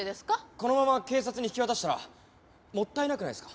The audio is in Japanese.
このまま警察に引き渡したらもったいなくないですか？